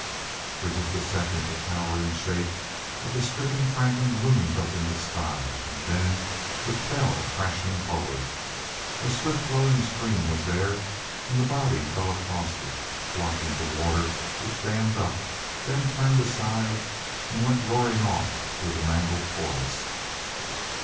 For just a second the towering shape of the stricken Franklin loomed up in the sky. And then it fell crashing forward. A swift flowing stream was there, and the body fell across it blocking the water which dammed up, then turned aside and went roaring off through the mangled forest.